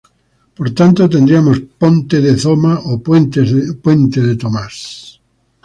Por tanto tendríamos Ponte de Thoma o Puente de Tomás.